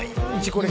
これ」